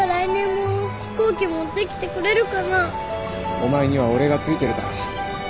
お前には俺がついてるから。